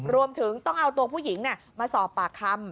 รวมถึงต้องเอาตัวผู้หญิงมาสอบปากคำ